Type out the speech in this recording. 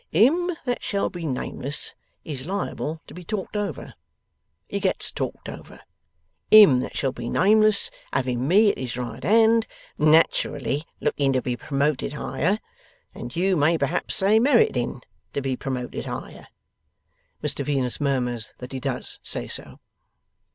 Him that shall be nameless is liable to be talked over. He gets talked over. Him that shall be nameless, having me at his right hand, naturally looking to be promoted higher, and you may perhaps say meriting to be promoted higher ' (Mr Venus murmurs that he does say so.)